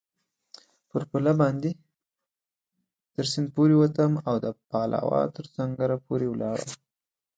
پر پله باندې تر سیند پورېوتم او د پلاوا تر سنګره پورې ولاړم.